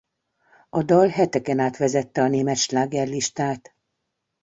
A dal heteken át vezette a német slágerlistát.